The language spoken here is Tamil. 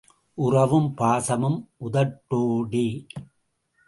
உறவும் பாசமும் உதட்டோடே.